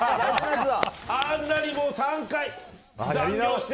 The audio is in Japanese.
あんなに３回残業して！